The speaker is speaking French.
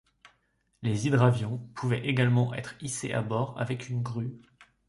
Les hydravions pouvaient également être hissés à bord avec une grue.